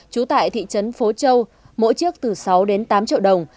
trú tại thị trấn phố châu mỗi chiếc từ sáu đến tám triệu đồng